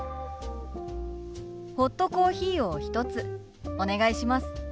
ホットコーヒーを１つお願いします。